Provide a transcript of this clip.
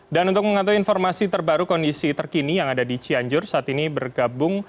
dan untuk mengatasi informasi terbaru kondisi terkini yang ada di cianjur saat ini bergabung